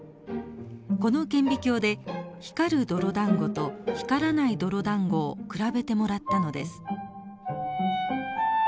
この顕微鏡で光る泥だんごと光らない泥だんごを比べてもらったのです。